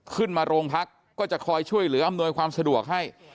ขึ้นมาโรงพักก็จะคอยช่วยเหลืออำนวยความสะดวกให้